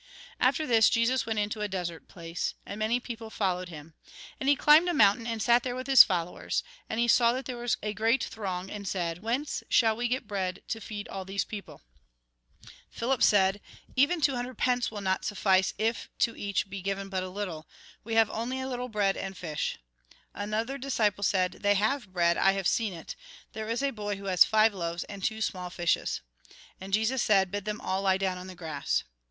After this, Jesus went into a desert place. And many people followed him. And he climbed a mountain, and sat there with his followers. And he saw that there was a great throng, and said : "Whence shall we get bread to feed all these people ?" Philip said :" Even two hundred pence will not suffice, if to each be given but a little. We have only a little bread and fish." And another disciple said :" They have bread ; I have seen it. There is a boy who has five loaves and two small fishes." And Jesus said :" Bid them all lie down on the grass."